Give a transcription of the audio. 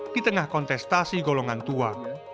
di tengah kontestasi golongan tua